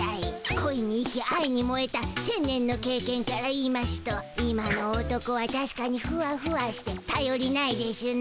こいに生きあいにもえた１，０００年のけいけんから言いましゅと今の男はたしかにふわふわしてたよりないでしゅな。